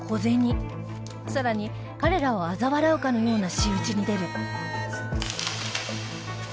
さらに彼らをあざ笑うかのような仕打ちに出る